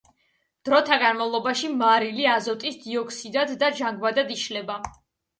დროთა განმავლობაში მარილი აზოტის დიოქსიდად და ჟანგბადად იშლება.